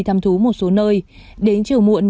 thăm thú một số nơi đến chiều muộn